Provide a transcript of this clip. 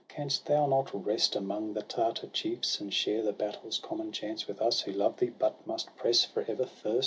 Canst thou not rest among the Tartar chiefs, And share the battle's common chance with us Who love thee, but must press for ever first.